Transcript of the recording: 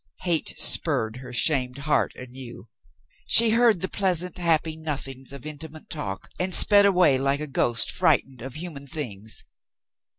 Hate spurred her shamed heart anew. She heard the pleasant, happy nothings of intimate talk and sped away like a ghost frightened of human things.